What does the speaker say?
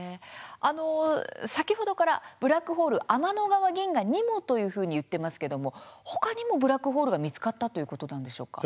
先ほどからブラックホール天の川銀河にもというふうに言ってますけれども、ほかにもブラックホールが見つかったということなんでしょうか？